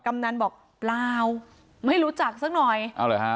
กำนันบอกเปล่าไม่รู้จักสักหน่อยเอาเหรอฮะ